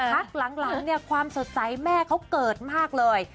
พักหลังเนี่ยความสดใสแม่เขาเกิดมากเลย